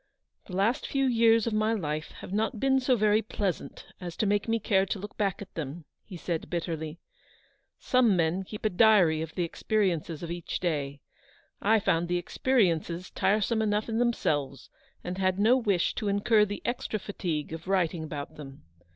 " The last few years of my life have not been so very pleasant as to make me care to look back at them/' he said, bitterly. " Some men keep a diary of the experiences of each day — I found the experiences tiresome enough in themselves, and had no wish to incur the extra fatigue of writing about them.